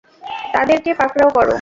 তাদেরকে পাকড়াও কর!